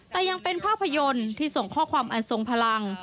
แต่ยังเป็นภาพยนตร์ที่ส่งข้อความอันทรงพลัง